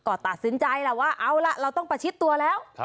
ก็ตัดสินใจแหละว่าเอาล่ะเราต้องประชิดตัวแล้ว